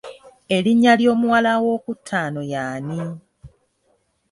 Erinnya ly'omuwala ow'okutaano yaani?